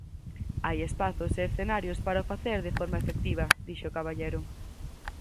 Hai espazos e escenarios para o facer de forma efectiva, dixo Caballero.